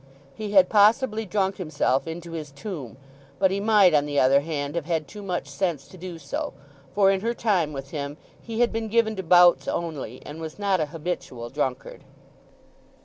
He had possibly drunk himself into his tomb. But he might, on the other hand, have had too much sense to do so; for in her time with him he had been given to bouts only, and was not a habitual drunkard.